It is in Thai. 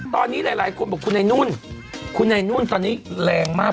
ตอนนี้หลายคนบอกคุณไอ้นุ่นคุณไอ้นุ่นตอนนี้แรงมาก